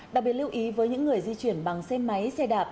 đặc biệt lưu ý với những người di chuyển bằng xe máy xe đạp